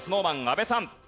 ＳｎｏｗＭａｎ阿部さん。